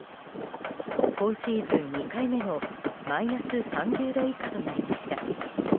今シーズン２回目のマイナス３０度以下となりました。